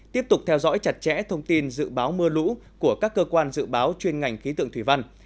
tiếp tục theo dõi chặt chẽ thông tin dự báo mưa lũ của các cơ quan dự báo chuyên ngành khí tượng thủy văn